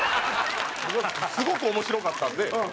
すごく面白かったんで。